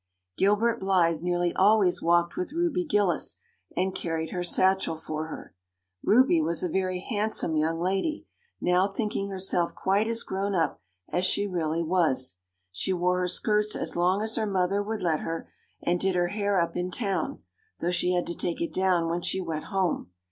Gilbert Blythe nearly always walked with Ruby Gillis and carried her satchel for her. Ruby was a very handsome young lady, now thinking herself quite as grown up as she really was; she wore her skirts as long as her mother would let her and did her hair up in town, though she had to take it down when she went home.